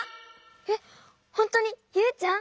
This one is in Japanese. えっほんとにユウちゃん？